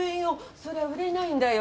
それは売れないんだよ。